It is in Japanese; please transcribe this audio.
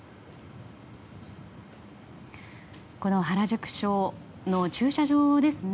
原宿署の駐車場ですね。